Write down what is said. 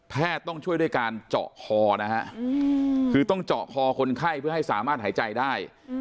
ต้องช่วยด้วยการเจาะคอนะฮะคือต้องเจาะคอคนไข้เพื่อให้สามารถหายใจได้